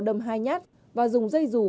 đâm hai nhát và dùng dây rủ